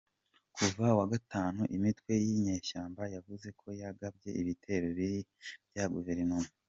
Ku wa gatanu, imitwe y'inyeshyamba yavuze ko yagabye ibitero ku birindiro bya guverinoma.